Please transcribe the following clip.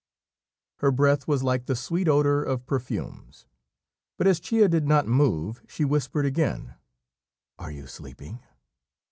Her breath was like the sweet odour of perfumes; but as Chia did not move, she whispered again, "Are you sleeping?"